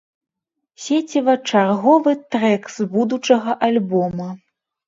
Сеціва чарговы трэк з будучага альбома.